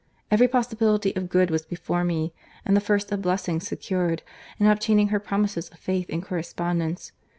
Every possibility of good was before me, and the first of blessings secured, in obtaining her promises of faith and correspondence.